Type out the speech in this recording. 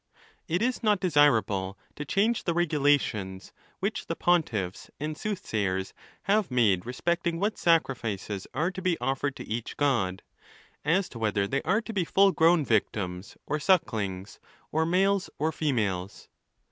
It is not desirable to change the regulations which the pontifis and soothsayers have made respecting what sacrifices are to be offered to each god, as to whether they are to be full grown victims or sucklings, or males or females.